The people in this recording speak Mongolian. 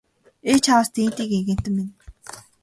Ээ чааваас дээдийн гэгээнтэн минь!